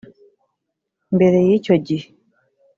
Mbere y'icyo gihe